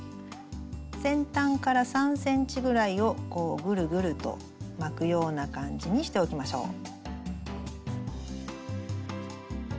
先端から３ｃｍぐらいをこうぐるぐると巻くような感じにしておきましょう。